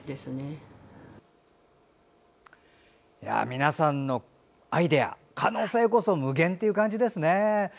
皆さんのアイデア可能性こそ無限って感じですね。